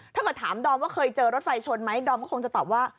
ถ้าเกิดถามดอมว่าเคยเจอรถไฟชนไหมดอมก็คงจะตอบว่า